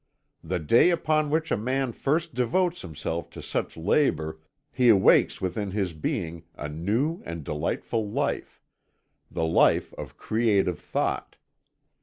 The day upon which a man first devotes himself to such labour he awakes within his being a new and delightful life, the life of creative thought.